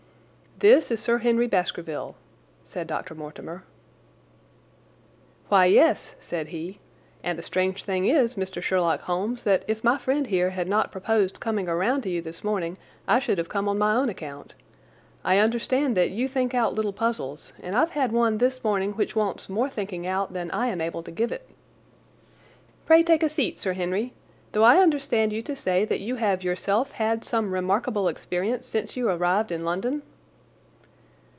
"This is Sir Henry Baskerville," said Dr. Mortimer. "Why, yes," said he, "and the strange thing is, Mr. Sherlock Holmes, that if my friend here had not proposed coming round to you this morning I should have come on my own account. I understand that you think out little puzzles, and I've had one this morning which wants more thinking out than I am able to give it." "Pray take a seat, Sir Henry. Do I understand you to say that you have yourself had some remarkable experience since you arrived in London?"